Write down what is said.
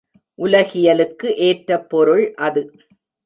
உலகியலுக்கு ஏற்ற பொருள் அது.